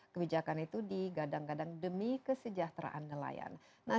kebijakan itu digadang gadang demi kesejahteraan nelayan